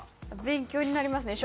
勉強になりますね。